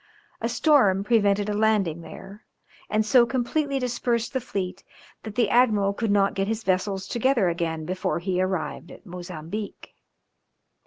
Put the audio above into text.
A storm prevented a landing there, and so completely dispersed the fleet that the admiral could not get his vessels together again before he arrived at Mozambique.